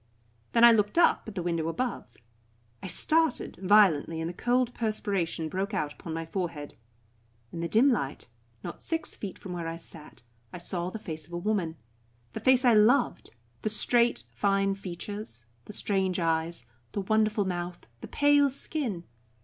Then I looked up at the window above. I started violently and the cold perspiration broke out upon my forehead. In the dim light, not six feet from where I sat, I saw the face of a woman, the face I loved, the straight, fine features, the strange eyes, the wonderful mouth, the pale skin.